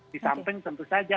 di samping tentu saja